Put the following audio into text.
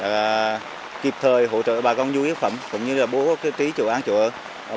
và kịp thời hỗ trợ bà con nhu yếu phẩm cũng như bố trí chủ an chủ ước